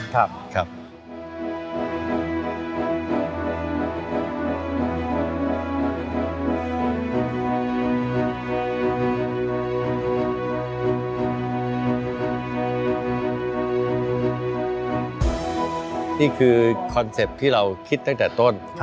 นี่คือคอนเซ็ปต์ที่เราคิดตั้งแต่ต้น